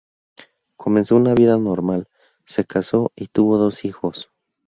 Comenzó una vida normal, se casó, y tuvo dos hijos.